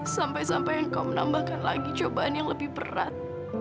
sampai sampai engkau menambahkan lagi cobaan yang lebih berat